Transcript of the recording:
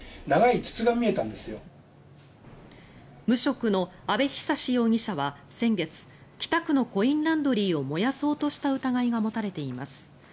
無職の阿部央容疑者は先月北区のコインランドリーを燃やそうとした疑いが持たれています。